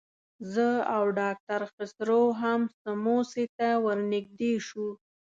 زه او ډاکټر خسرو هم سموڅې ته ورنږدې شو.